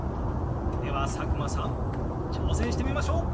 では佐久間さん挑戦してみましょう！